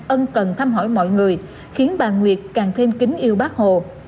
ân cần thăm hỏi mọi người khiến bà nguyệt càng thêm kính yêu bác hồ